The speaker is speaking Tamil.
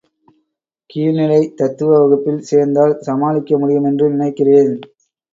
கீழ்நிலை, தத்துவ வகுப்பில் சேர்ந்தால் சமாளிக்க முடியுமென்று நினைக்கிறேன்.